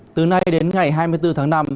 từ nay đến ngày hai mươi bốn tháng năm